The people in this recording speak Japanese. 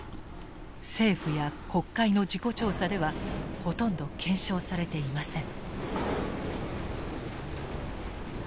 政府や国会の事故調査ではほとんど検証されていません。